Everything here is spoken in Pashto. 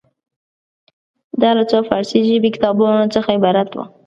دا له څو فارسي ژبې کتابونو څخه عبارت وه.